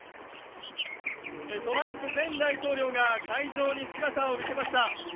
トランプ前大統領が会場に姿を見せました。